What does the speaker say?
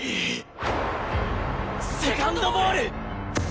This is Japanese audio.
セカンドボール！